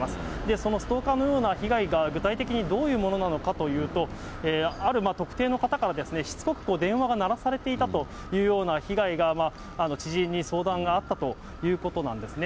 そのストーカーのような被害が具体的にどういうものなのかというと、ある特定の方からしつこく電話が鳴らされていたというような被害が知人に相談があったということなんですね。